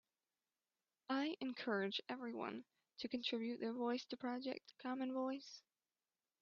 I encourage everyone to contribute their voice to Project Common Voice.